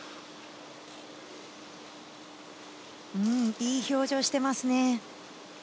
いい表情してますね。